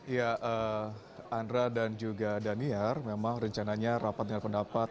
ya andra dan juga daniar memang rencananya rapat dengan pendapat